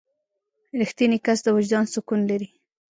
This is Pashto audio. • رښتینی کس د وجدان سکون لري.